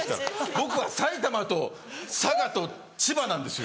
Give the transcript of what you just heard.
僕は埼玉と佐賀と千葉なんですよ。